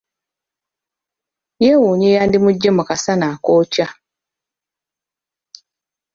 Yeewuunya eyandimugye mu kasana akookya.